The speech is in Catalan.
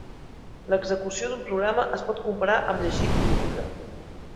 L'execució d'un programa es pot comparar amb llegir un llibre.